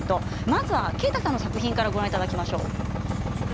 まずは景太さんの作品からご覧いただきましょう。